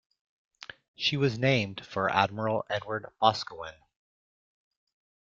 She was named for Admiral Edward Boscawen.